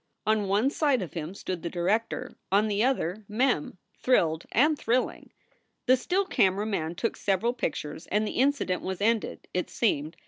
On one side of him stood the director, on the other Mem, thrilled and thrilling. The still camera man took several pictures and the in cident was ended, it seemed.